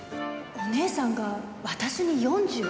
お義姉さんが私に４５億？